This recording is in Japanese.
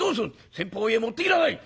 「先方へ持っていきなさい」。